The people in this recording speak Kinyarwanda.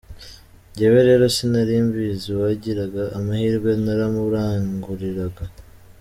Jyewe rero sinari mbizi uwagiraga amahirwe naramuranguriraga.